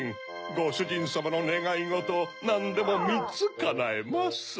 ごしゅじんさまのねがいごとをなんでも３つかなえます。